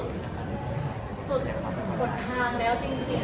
คดทางแล้วจริงค่ะ